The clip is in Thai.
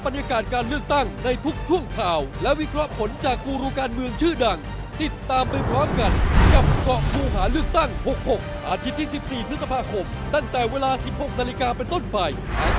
โปรดติดตามตอนต่อไป